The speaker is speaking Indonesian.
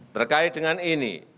terkait dengan ini